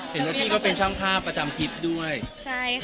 เห็นว่าพี่ก็เป็นช่างภาพประจำทิศด้วยใช่ค่ะ